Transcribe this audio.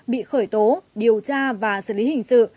bị khởi tố điều tra và xử lý hình sự